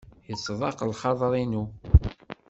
Yettḍaq lxaḍer-inu.